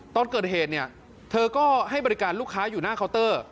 ตอนเกิดเหตุเนี่ยเธอก็ให้บริการลูกค้าอยู่หน้าเคาน์เตอร์